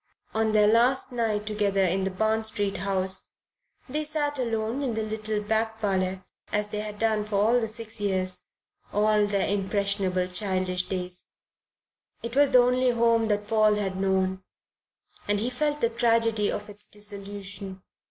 On their last night together in the Barn Street house they sat alone in the little back parlour as they had done for the last six years all their impressionable childish days. It was the only home that Paul had known, and he felt the tragedy of its dissolution.